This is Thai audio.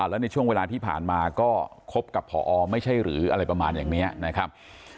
แล้วในช่วงเวลาที่ผ่านมาก็คบกับพอไม่ใช่หรืออะไรประมาณอย่างนี้นะครับ